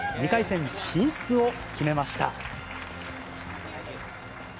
２回戦進出を決めました。